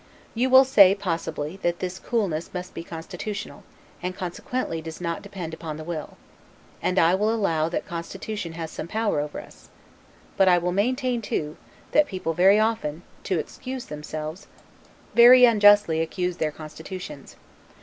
You will say, possibly, that this coolness must be constitutional, and consequently does not depend upon the will: and I will allow that constitution has some power over us; but I will maintain, too, that people very often, to excuse themselves, very unjustly accuse their constitutions.